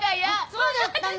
そうだったの？